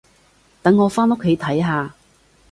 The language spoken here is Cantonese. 等我返屋企睇下